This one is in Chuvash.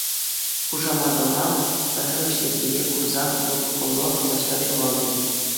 Хушаматӑма пӗрремӗш йӗркере курсан лӑпкӑлӑх таҫта ҫухалчӗ.